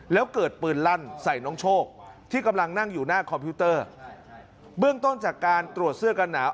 แล้วเกิดปืนลั่นใส่น้องโชคที่กำลังนั่งอยู่หน้าคอมพิวเตอร์เบื้องต้นจากการตรวจเสื้อกันหนาว